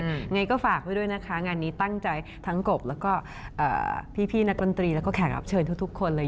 ยังไงก็ฝากไว้ด้วยนะคะงานนี้ตั้งใจทั้งกบแล้วก็เอ่อพี่พี่นักดนตรีแล้วก็แขกรับเชิญทุกทุกคนเลย